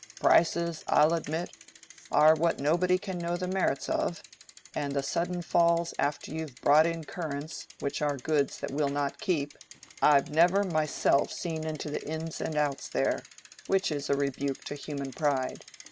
Prices, I'll admit, are what nobody can know the merits of; and the sudden falls after you've bought in currants, which are a goods that will not keep—I've never; myself seen into the ins and outs there; which is a rebuke to human pride.